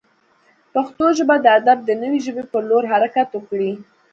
پښتو ژبه د ادب د نوې ژبې پر لور حرکت وکړي.